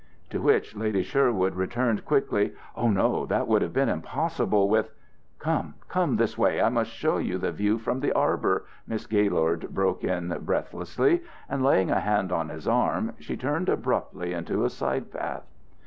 To which Lady Sherwood returned quickly. "Oh, no, that would have been impossible with " "Come come this way I must show you the view from the arbor," Miss Gaylord broke in breathlessly; and laying a hand on his arm, she turned abruptly into a side path.